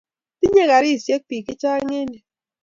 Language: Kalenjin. Tinye karisyek pik chechang' eng' yu